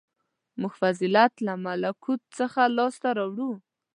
• موږ فضیلت له ملکوت څخه لاسته راوړو.